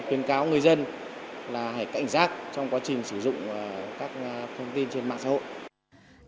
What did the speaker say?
tuyên cáo người dân là hãy cảnh giác trong quá trình sử dụng các thông tin trên mạng xã hội